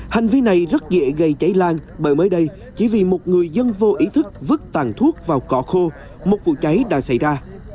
hành vi này rất dễ gây cháy lan bởi mới đây chỉ vì một người dân vô ý thức vứt tàn thuốc vào cỏ khô một vụ cháy đã xảy ra